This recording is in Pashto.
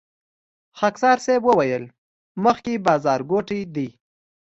خاکسار صیب وويل مخکې بازارګوټی دی.